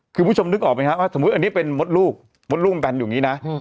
คือคุณผู้ชมนึกออกไหมครับว่าสมมุติอันนี้เป็นมดลูกมดลูกกันอยู่อย่างนี้นะ